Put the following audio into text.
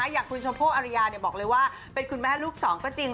อย่างคุณชมพู่อริยาบอกเลยว่าเป็นคุณแม่ลูกสองก็จริง